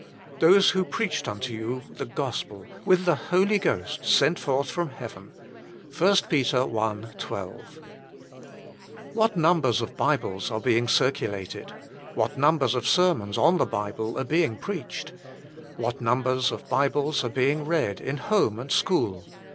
Those who preached unto you the gospel with the Holy Ghost sent forth from heaven." 1 PET. i. 12. What numbers of Bibles are being circulated. What numbers oi sermons on the Bible are being preached. What numbers of Bibles are being read in home and school.